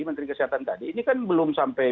menteri kesehatan tadi ini kan belum sampai